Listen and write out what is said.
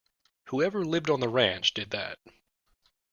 Whoever lived on the ranch did that.